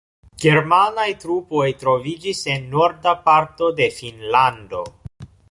Germanaj trupoj troviĝis en norda parto de Finnlando.